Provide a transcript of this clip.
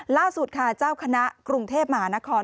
ล่าสุดค่ะเจ้าคณะกรุงเทพมหานคร